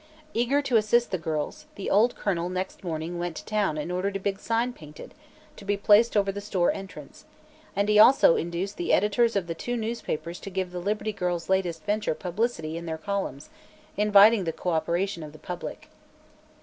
Eager to assist the girls, the old colonel next morning went to town and ordered a big sign painted, to be placed over the store entrance, and he also induced the editors of the two newspapers to give the Liberty Girls' latest venture publicity in their columns, inviting the cooperation of the public.